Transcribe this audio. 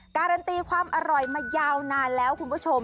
การันตีความอร่อยมายาวนานแล้วคุณผู้ชม